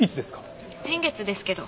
先月ですけど。